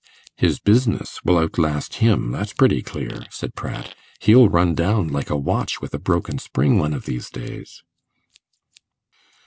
'His business will outlast him, that's pretty clear,' said Pratt; 'he'll run down like a watch with a broken spring one of these days.